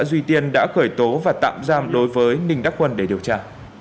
duy tiên đã khởi tố và tạm giam đối với ninh đắc quân để điều tra